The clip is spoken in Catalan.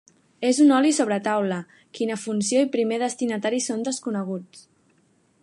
És un oli sobre taula, quina funció i primer destinatari són desconeguts.